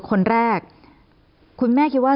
คนแรกคุณแม่คิดว่า